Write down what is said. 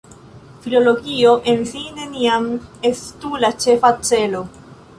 Filologio en si neniam estu la ĉefa celo.